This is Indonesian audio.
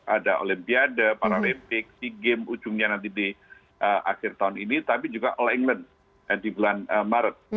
ada olimpiade paralimpik sea games ujungnya nanti di akhir tahun ini tapi juga all england di bulan maret